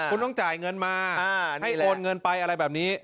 คุณต้องจ่ายเงินมาให้โอนเงินไปอะไรแบบนี้